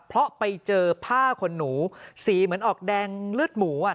เพราะไปเจอผ้าขนหนูสีเหมือนออกแดงเลือดหมู